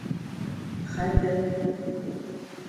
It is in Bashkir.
Хәтер